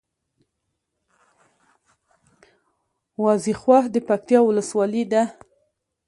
وازېخواه د پکتیکا ولسوالي ده